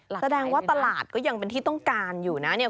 แสดงว่าตลาดก็ยังเป็นที่ต้องการอยู่นะเนี่ย